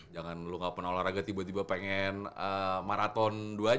jangan lu gak pernah olahraga tiba tiba pengen maraton dua jam gitu kan